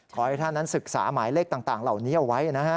ขอให้ท่านนั้นศึกษาหมายเลขต่างเหล่านี้เอาไว้นะฮะ